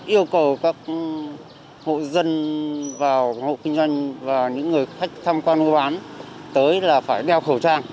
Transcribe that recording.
yêu cầu các hộ dân vào hộ kinh doanh và những người khách tham quan mua bán tới là phải đeo khẩu trang